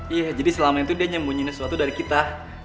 iya jadi selama itu dia nyembunyinya suatu dari kita